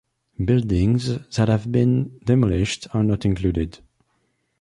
Buildings that have been demolished are not included.